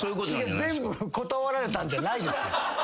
全部断られたんじゃないです。